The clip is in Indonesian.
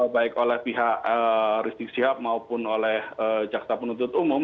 baik oleh pihak rizik sihab maupun oleh jaksa penuntut umum